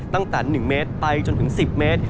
ตั้งแต่๑เมตรไปจนถึง๑๐เมตร